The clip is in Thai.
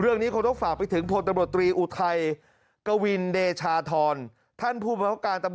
เรื่องนี้เขาเลือกฝากไปถึงพตรอุทัยกวินเดชาธร